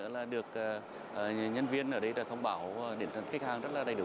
là được nhân viên ở đây đã thông báo đến tận khách hàng rất là đầy đủ